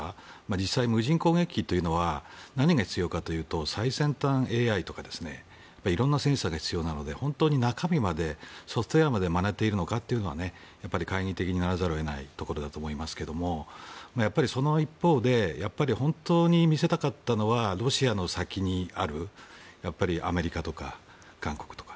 実際、無人攻撃機というのは何が必要かというと最先端ＡＩとか色んなセンサーが必要なので本当に中身までソフトウェアまでまねているのかというのは懐疑的にならざるを得ないというところだと思いますがその一方で本当に見せたかったのはロシアの先にあるアメリカとか韓国とか。